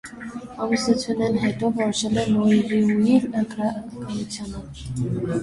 Ամուսնութիւնէն յետոյ որոշեր է նուիրուիլ գրականութեանը։